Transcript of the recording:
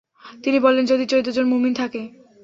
তিনি বললেন, যদি চৌদ্দজন মুমিন থাকে?